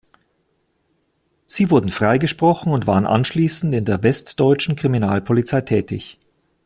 Sie wurden freigesprochen und waren anschließend in der westdeutschen Kriminalpolizei tätig.